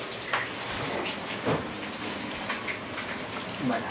うまいか？